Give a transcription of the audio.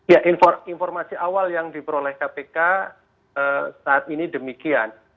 ya informasi awal yang diperoleh kpk saat ini demikian